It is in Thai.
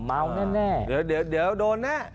เมาท์แน่เดี๋ยวเดี๋ยวโดนแน่